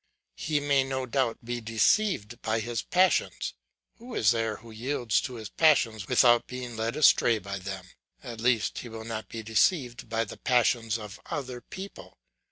He may no doubt be deceived by his passions; who is there who yields to his passions without being led astray by them? At least he will not be deceived by the passions of other people.